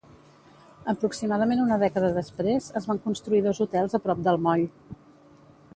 Aproximadament una dècada després, es van construir dos hotels a prop del moll.